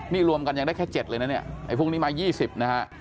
นี่รวมกันยังได้แค่๗เลยนะเนี่ยไอ้พวกนี้มา๒๐นะฮะ